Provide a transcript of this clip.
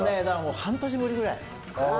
半年ぶりくらい。